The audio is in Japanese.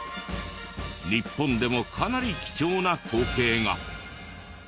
日本でもかなり貴重な光景が。